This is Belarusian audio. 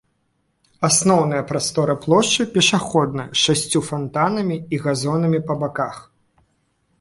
Асноўная прастора плошчы пешаходная, з шасцю фантанамі і газонамі па баках.